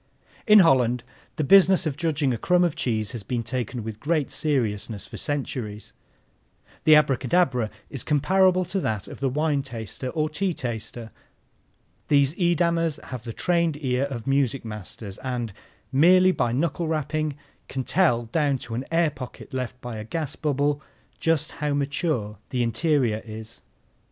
In Holland the business of judging a crumb of cheese has been taken with great seriousness for centuries. The abracadabra is comparable to that of the wine taster or tea taster. These Edamers have the trained ear of music masters and, merely by knuckle rapping, can tell down to an air pocket left by a gas bubble just how mature the interior is.